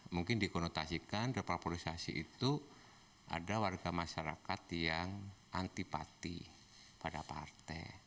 mungkin dikonotasikan deparpolisasi itu ada warga masyarakat yang antipati pada partai